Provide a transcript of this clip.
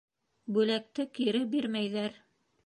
Бүләкте кире бирмәйҙәр.